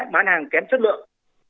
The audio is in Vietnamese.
bán hàng kém chất lượng